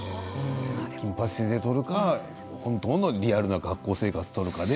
「金八先生」を取るか本当のリアルな学校生活を取るか。